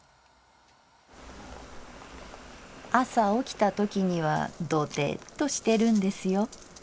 「朝起きたときにはドテッとしてるんですよ。